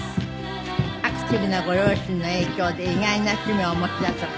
アクティブなご両親の影響で意外な一面をお持ちだとか。